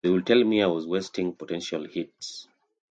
They'd tell me I was wasting potential hits.